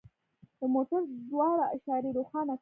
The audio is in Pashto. د موټر دواړه اشارې روښانه کړئ